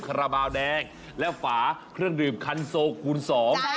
คาราบาลแดงและฝาเครื่องดื่มคันโซคูณสอง